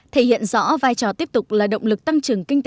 thể hiện rõ vai trò tiếp tục là động lực tăng trưởng kinh tế